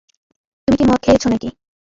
তুমি কি মদ খেয়েছ নাকি?